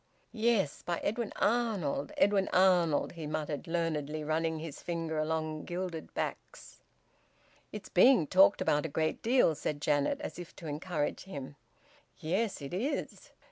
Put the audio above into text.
"Yes, by Edwin Arnold Edwin Arnold," he muttered learnedly, running his finger along gilded backs. "It's being talked about a great deal," said Janet as if to encourage him. "Yes, it is...